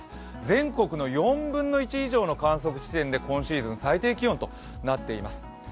全国の４分の１以上の観測点で今シーズン最低気温となっています。